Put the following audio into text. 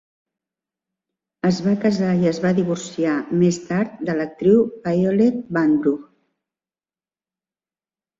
Es va casar i es va divorciar més tard de l"actriu Violet Vanbrugh.